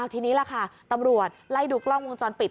ทีนี้ล่ะค่ะตำรวจไล่ดูกล้องวงจรปิด